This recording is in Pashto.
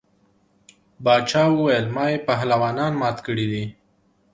باچا ویل ما یې پهلوانان مات کړي دي.